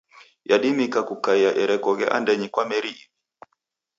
Yadima kukaia erekoghe andenyi kwa meri iw'i.